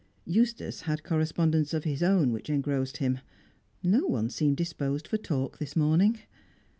Eustace had correspondence of his own which engrossed him. No one seemed disposed for talk this morning.